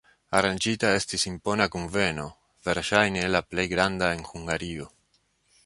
Aranĝita estis impona kunveno, verŝajne la plej granda en Hungario.